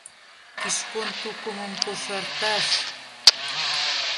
Кишкон тукымым кошарташ!